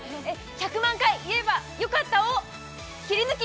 「１００万回言えばよかった」をキリヌキ！